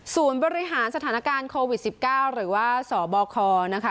บริหารสถานการณ์โควิด๑๙หรือว่าสบคนะคะ